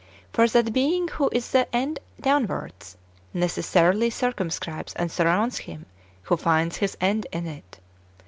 For that being wdio is the end downwards, necessarily circumscribes and surrounds him who finds his end in it.